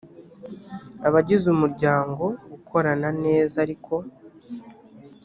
abagize umuryango gukorana neza ariko